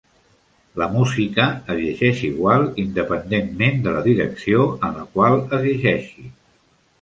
La música es llegeix igual independentment de la direcció en la qual es llegeixi.